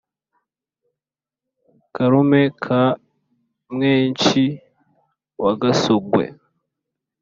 karume ka mweshi wa gasogwe